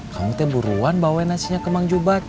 kang bos tuh buruan bawain nasinya ke manjubat